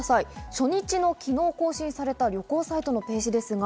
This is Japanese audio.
初日の昨日、更新された旅行サイトのページです。